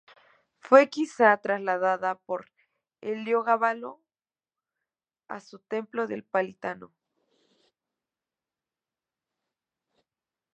Fue quizá trasladada por Heliogábalo a su templo del Palatino.